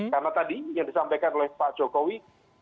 karena tadi yang disampaikan oleh pak jokowi